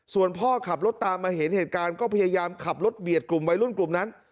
ส่วนพ่อขับรถตามมาเห็นเหตุการณ์ก็พยายามขับรถเบียดกลุ่มวัยรุ่นกลุ่มนั้น